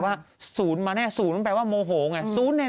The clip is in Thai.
แต่ฉันเห็นเป็น๓๘๐ว่ะแอนจี้